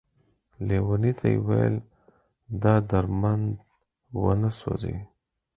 ليوني ته يې ويل دا درمند ونه سوځې ،